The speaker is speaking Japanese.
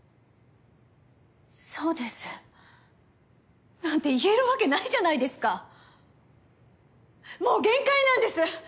そうです。なんて言えるわけないじゃないですかもう限界なんです！